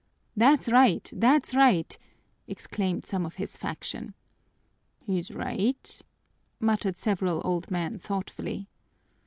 "That's right! That's right!" exclaimed some of his faction. "He's right," muttered several old men thoughtfully.